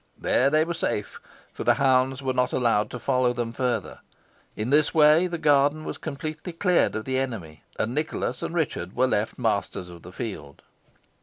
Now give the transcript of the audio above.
There they were safe, for the hounds were not allowed to follow them further. In this way the garden was completely cleared of the enemy, and Nicholas and Richard were left masters of the field.